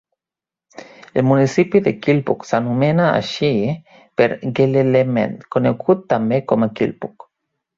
El municipi de Kilbuck s'anomena així per Gelelemend, conegut també com a Killbuck.